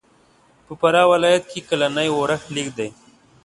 په فراه ولایت کښې کلنی اورښت لږ دی.